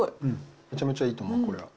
めちゃめちゃいいと思う、これ。